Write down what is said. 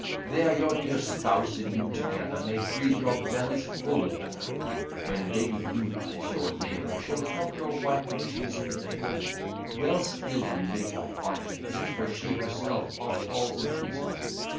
There your dear spouse and you together May breathe your bellies full of ether, When Lady Luna is your neighbour, She'll help your wife when she's in labour, Well skill'd in midwife artifices, For she herself oft falls in pieces.